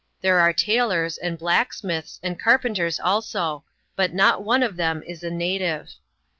There are tailors, and blacksmiths, and carpenters also ; but not one of them is a native.